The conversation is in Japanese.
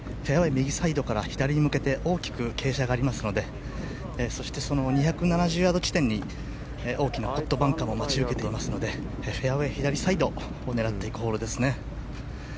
右サイドから左に向けて大きく傾斜がありますのでそして、その２７０ヤード地点に大きなポットバンカーも待ち受けていますのでフェアウェー左サイドを狙っていくホールですね。